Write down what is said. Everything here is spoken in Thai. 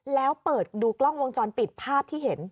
แล้วเปิดดูกล้องวงจรปิดภาพที่เห็น